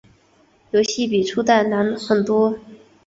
游戏比初代难很多。